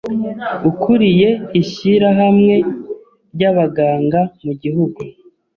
ukuriye ishyirahamwe ry'abaganga mu gihugu,